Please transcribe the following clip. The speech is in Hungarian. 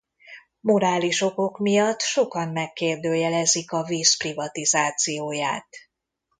Morális okok miatt sokan megkérdőjelezik a víz privatizációját.